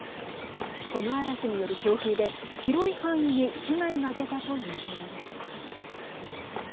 この嵐による強風で広い範囲に被害が出たということです。